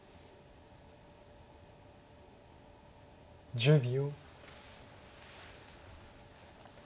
１０秒。